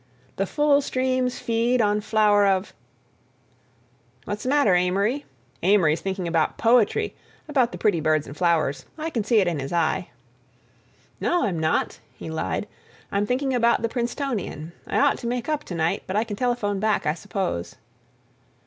"The full streams feed on flower of—" "What's the matter, Amory? Amory's thinking about poetry, about the pretty birds and flowers. I can see it in his eye." "No, I'm not," he lied. "I'm thinking about the Princetonian. I ought to make up to night; but I can telephone back, I suppose."